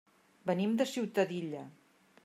Venim de Ciutadilla.